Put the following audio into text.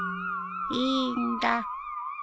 いいんだ